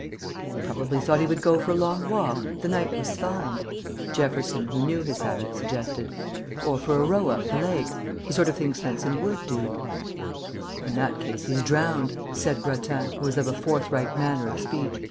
"He probably thought he would go for a long walk; the night was fine," Jefferson, who knew his habits, suggested. "Or for a row up the lake. The sort of thing Svensen would do." "In that case he's drowned," said Grattan, who was of a forthright manner of speech.